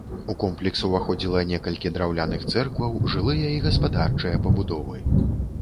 У комплекс уваходзіла некалькі драўляных цэркваў, жылыя і гаспадарчыя пабудовы.